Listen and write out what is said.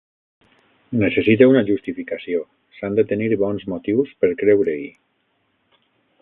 Necessita una justificació: s'han de tenir bons motius per creure-hi.